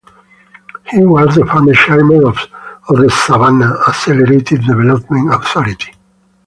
He was the former Chairman of the Savannah Accelerated Development Authority.